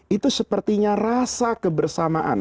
itu sepertinya rasa kebersamaan